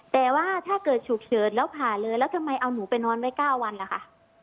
แต่ว่าถ้าเกิดฉุกเฉินแล้วผ่าเลยแล้วทำไมเอาหนูไปนอนไว้๙วันล่ะค่ะ